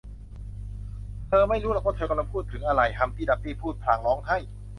เธอไม่รู้หรอกว่าเธอกำลังพูดถึงอะไร ฮัมพ์ตี้ดัมพ์ตี้พูดพลางร้องไห้